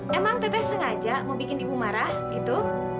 emang tete sengaja mau bikin ibu marah gitu